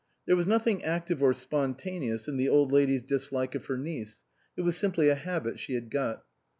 There was nothing active or spontaneous in the Old Lady's dislike of her niece, it was simply a habit she had got.